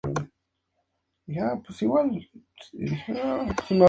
Fue uno de sus siete hijos.